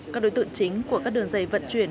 các đối tượng chính của các đường dây vận chuyển